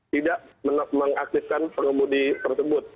tidak mengaktifkan pengemudi tersebut